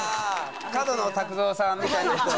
角野卓造さんみたいな人は。